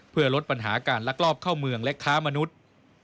เพื่อลดปัญหาการลักลอบเข้าเมืองและค้ามนุษย์